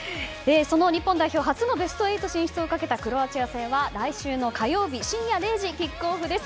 日本代表初のベスト８進出をかけたクロアチア戦は来週の火曜日深夜０時キックオフです。